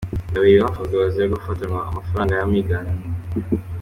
Babiri bafunzwe bazira gufatanwa amafaranga y’amiganano.